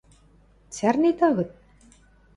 Цӓрнет-агыт?